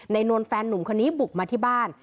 นวลแฟนหนุ่มคนนี้บุกมาที่บ้าน